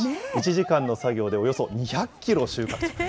１時間の作業で、およそ２００キロ収穫と。